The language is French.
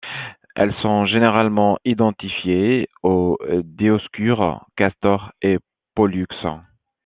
Elles sont généralement identifiées aux Dioscures, Castor et Pollux.